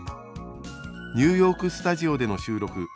「ニューヨーク・スタジオでの収録